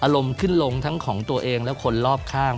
ลงขึ้นลงทั้งของตัวเองและคนรอบข้าง